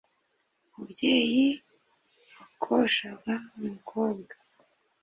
Umubyeyi wakoshaga umukobwa,